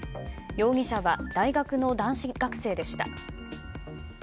容疑者は大学の男子学生でした。